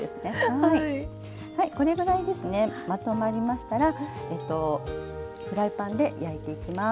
はいこれぐらいですねまとまりましたらフライパンで焼いていきます。